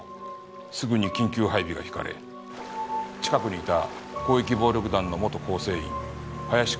すぐに緊急配備が敷かれ近くにいた広域暴力団の元構成員林幸一が逮捕された。